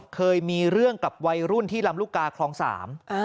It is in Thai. เคยมีเรื่องกับวัยรุ่นที่ลำลูกกาคลองสาม